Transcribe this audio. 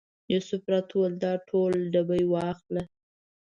یوسف راته وویل دا ټول ډبې واخله.